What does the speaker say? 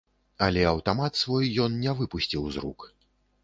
Але аўтамат свой ён не выпусціў з рук.